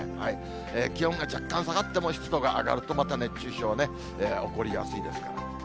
気温が若干下がっても、湿度が上がると、また熱中症ね、起こりやすいですから。